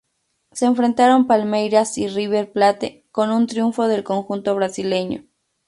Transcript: Se enfrentaron Palmeiras y River Plate, con un triunfo del conjunto brasileño.